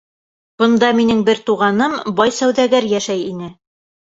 Бында минең бер туғаным, бай сауҙагәр йәшәй ине.